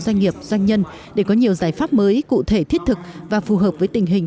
doanh nghiệp doanh nhân để có nhiều giải pháp mới cụ thể thiết thực và phù hợp với tình hình